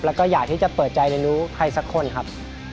แล้วก็อยากที่จะเปิดใจในรู้ใครสักคนครับ